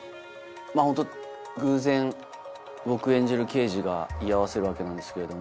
まぁホント偶然僕演じる刑事が居合わせるわけなんですけれども。